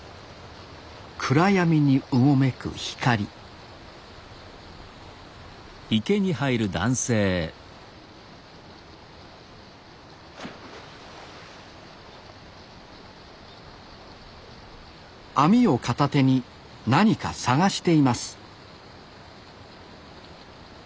暗闇にうごめく光網を片手に何か探しています